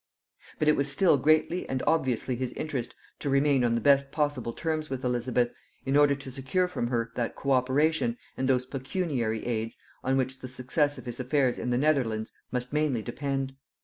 But it was still greatly and obviously his interest to remain on the best possible terms with Elizabeth, in order to secure from her that co operation, and those pecuniary aids, on which the success of his affairs in the Netherlands must mainly depend.